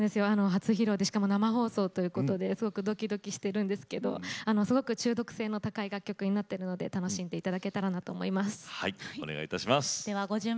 初披露、しかも生放送すごくどきどきしているんですがすごく中毒性の高い楽曲になっていますので楽しんでいただけたらなと思っています。